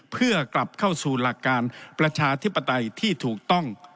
เพื่อกลับเข้าสู่หลักการประชาธิปไตยที่ถูกต้อง